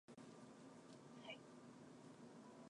Private schools also exist, but they are less common.